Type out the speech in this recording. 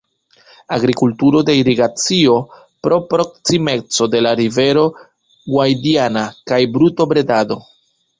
Agrikulturo de irigacio pro proksimeco de la rivero Guadiana kaj brutobredado.